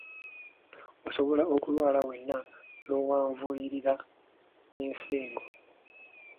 Osobola okulwala wenna n'owanvuyirira n'ensingo.